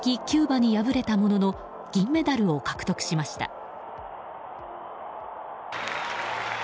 キューバに敗れたものの銀メダルを獲得しました。